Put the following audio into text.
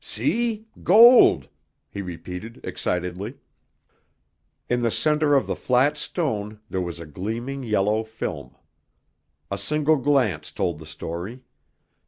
"See gold!" he repeated excitedly. In the center of the flat stone there was a gleaming yellow film. A single glance told the story.